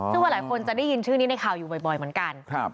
ซึ่งว่าหลายคนจะได้ยินชื่อนี้ในข่าวอยู่บ่อยเหมือนกัน